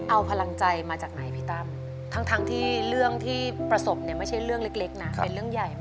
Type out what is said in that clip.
เอาพลังใจมาจากไหนพี่ตั้มทั้งที่เรื่องที่ประสบเนี่ยไม่ใช่เรื่องเล็กนะเป็นเรื่องใหญ่มาก